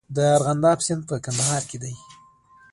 د ارغنداب سیند په کندهار کې دی